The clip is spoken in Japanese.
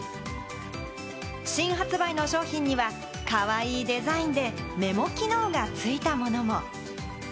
新発売の商品には、かわいいデザインでメモ機能が付いたものも。